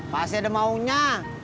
pasti ada maunya